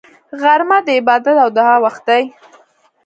غرمه د عبادت او دعا وخت وي